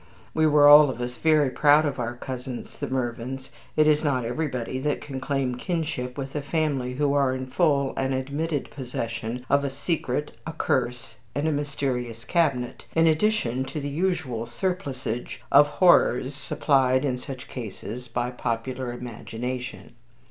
We were all of us very proud of our cousins the Mervyns: it is not everybody that can claim kinship with a family who are in full and admitted possession of a secret, a curse, and a mysterious cabinet, in addition to the usual surplusage of horrors supplied in such cases by popular imagination.